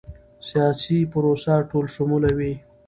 سیاسي پروسه ټولشموله وي